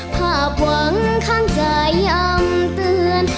ภาพหวังข้างใจยังเตือน